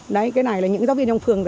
đấy cái này là những giáo viên trong phường